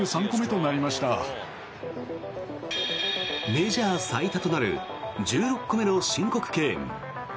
メジャー最多となる１６個目の申告敬遠。